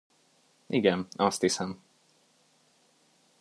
Igen, azt hiszem.